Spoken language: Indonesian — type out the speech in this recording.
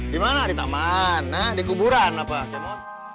dimana di taman di kuburan apa